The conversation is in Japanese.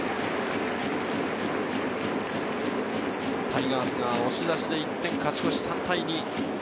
タイガースが押し出しで１点勝ち越し、３対２。